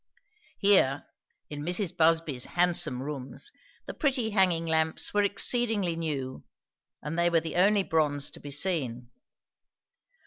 Here, in Mrs. Busby's handsome rooms, the pretty hanging lamps were exceedingly new, and they were the only bronze to be seen.